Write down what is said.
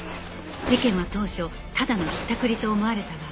事件は当初ただのひったくりと思われたが